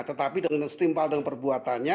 tetapi dengan setimpal dan perbuatannya